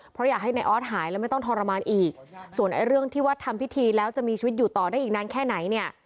เพราะอยากให้นายออสหายแล้วไม่ต้องทรมานอีกส่วนไอ้เรื่องที่ว่าทำพิธีแล้วจะมีชีวิตอยู่ต่อได้อีกนานแค่ไหนเนี่ย